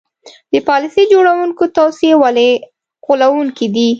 د پالیسي جوړوونکو توصیې ولې غولوونکې دي.